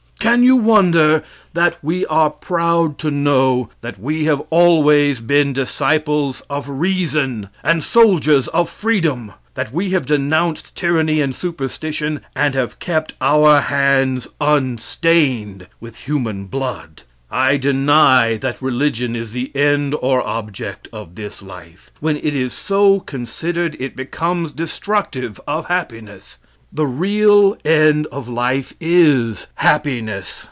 Can you wonder that we are proud to know that we have always been disciples of reason and soldiers of freedom; that we have denounced tyranny and superstition, and have kept our hands unstained with human blood? I deny that religion is the end or object of this life. When it is so considered it becomes destructive of happiness. The real end of life is, happiness.